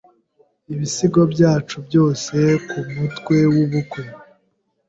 Ibisigo byacu byose kumutwe wubukwe.